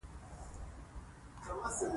د دې نابرابرۍ لامل ډېره ساده و.